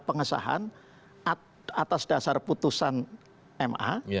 pengesahan atas dasar putusan ma